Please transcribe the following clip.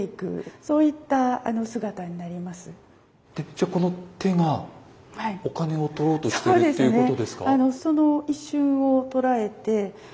じゃあこの手がお金をとろうとしてるっていうことですか？